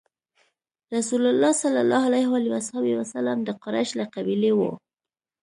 رسول الله ﷺ د قریش له قبیلې وو.